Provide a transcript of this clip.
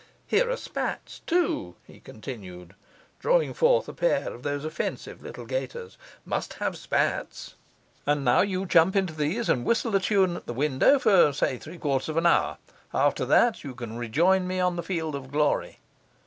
Here are spats, too,' he continued, drawing forth a pair of those offensive little gaiters. 'Must have spats! And now you jump into these, and whistle a tune at the window for (say) three quarters of an hour. After that you can rejoin me on the field of glory.